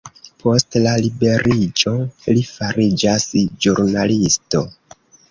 Post la liberiĝo li fariĝas ĵurnalisto.